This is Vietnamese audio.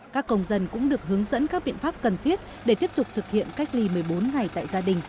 các công dân cũng được hướng dẫn các biện pháp cần thiết để tiếp tục thực hiện cách ly một mươi bốn ngày tại gia đình